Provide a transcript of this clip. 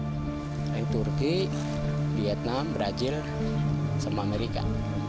dari turki vietnam brazil sama amerika